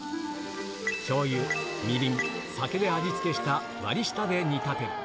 しょうゆ、みりん、酒で味付けした割り下で煮立てる。